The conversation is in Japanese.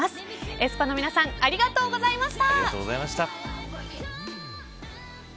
ａｅｓｐａの皆さんありがとうございました。